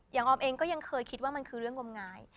ออมเองก็ยังเคยคิดว่ามันคือเรื่องงมงาย